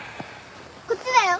こっちだよ！